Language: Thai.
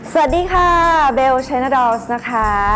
สวัสดีค่ะเบลชัยนาดอลสนะคะ